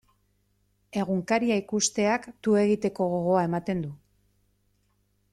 Egunkaria ikusteak tu egiteko gogoa ematen du.